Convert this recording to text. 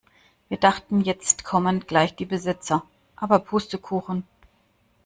Wir dachten jetzt kommen gleich die Besitzer, aber Pustekuchen.